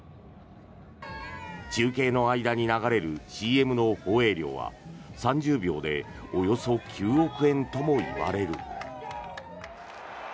中継の間に流れるＣＭの放映料は３０秒でおよそ９億円ともいわれる。